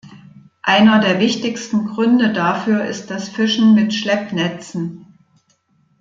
Einer der wichtigsten Gründe dafür ist das Fischen mit Schleppnetzen.